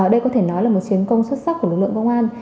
đây có thể nói là một chiến công xuất sắc của lực lượng công an